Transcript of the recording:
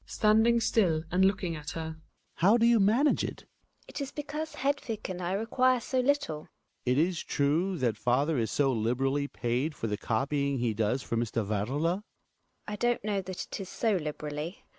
(Standing Ml and looking at her.) How do you manage it ? GiNA. It is because Hedvik and I require so little. Hjalmar. It is true that father's so liberally paid for the copying he does for Mr. Werle ? GiNA. I don't know that it is so liberally.